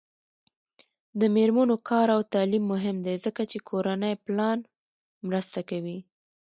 د میرمنو کار او تعلیم مهم دی ځکه چې کورنۍ پلان مرسته کوي.